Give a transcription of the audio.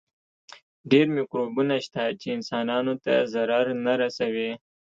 ډېر مکروبونه شته چې انسانانو ته ضرر نه رسوي.